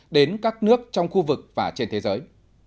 đến các nước trong khu vực và trên thế giới